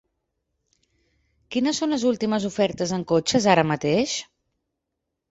Quines són les últimes ofertes en cotxes ara mateix?